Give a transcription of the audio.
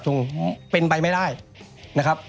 พี่แดงก็พอสัมพันธ์พูดเลยนะครับ